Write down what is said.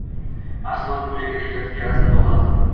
Arslon ko‘yligini yirtib yarasini bog‘ladi.